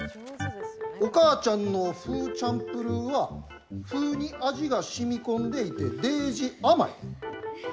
「お母ちゃんのフーチャンプルーはフーに味がしみこんででーじあまい。